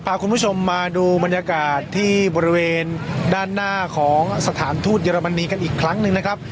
พาคุณผู้ชมมาดูบรรยากาศที่บริเวณด้านหน้าของสถานทูตเยอรมนีกันอีกครั้งหนึ่งนะครับ